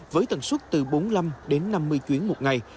với tần suất từ bốn mươi năm đến năm mươi chuyến một ngày